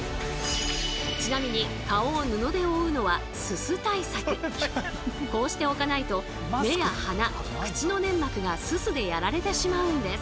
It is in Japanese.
ちなみにこうしておかないと目や鼻口の粘膜がススでやられてしまうんです。